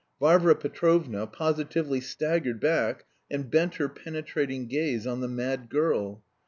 Varvara Petrovna positively staggered back, and bent her penetrating gaze on the mad girl.